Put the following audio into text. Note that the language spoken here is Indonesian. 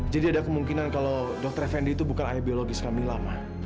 jadi ada kemungkinan kalau dokter efendi itu bukan ayah biologis kamila ma